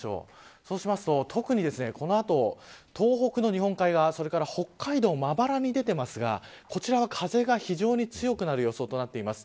そうすると特にこの後、東北の日本海側それから北海道まばらに出てますがこちらは風が非常に強くなる予想となっています。